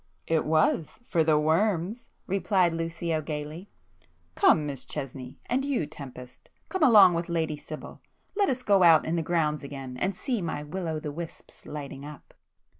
"It was,—for the worms!" replied Lucio gaily—"Come, Miss Chesney,—and you Tempest, come along with Lady Sibyl,—let us go out in the grounds again, and see my will o' the wisps lighting up."